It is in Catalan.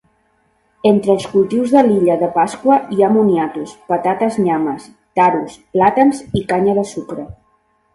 Entre els cultius de l'illa de Pasqua hi ha moniatos, patates nyames, taros, plàtans i canya de sucre.